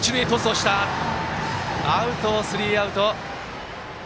スリーアウト。